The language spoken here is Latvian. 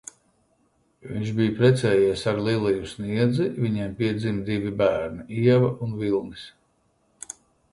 Viņš bija precējies ar Liliju Sniedzi, viņiem piedzima divi bērni: Ieva un Vilnis.